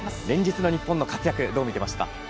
連日の日本の活躍どう見ていましたか？